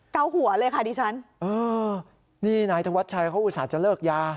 เกาหัวเลยค่ะดิฉันเออนี่นายธวัชชัยเขาอุตส่าห์จะเลิกยา